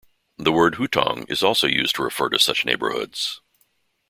The word hutong is also used to refer to such neighbourhoods.